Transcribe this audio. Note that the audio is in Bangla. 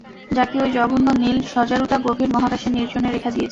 যাকে ওই জঘন্য নীল শজারুটা গভীর মহাকাশে নির্জনে রেখে দিয়েছে।